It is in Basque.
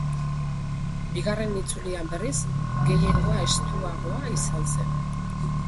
Bigarren itzulian berriz gehiengoa estuagoa izan zen.